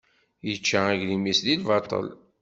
Ičča aglim-is di lbaṭel.